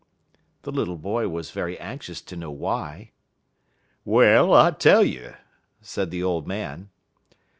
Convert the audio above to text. The little boy was very anxious to know why. "Well, I tell you," said the old man.